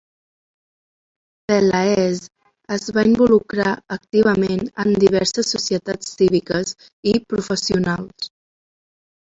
Pelaez es va involucrar activament en diverses societats cíviques i professionals.